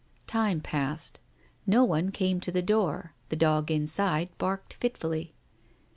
Time passed. No one came to the door, the dog inside barked fitfully.